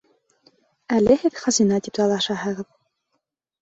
Әле һеҙ хазина тип талашаһығыҙ.